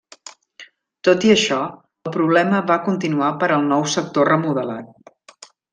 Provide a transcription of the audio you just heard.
Tot i això, el problema va continuar per al nou sector remodelat.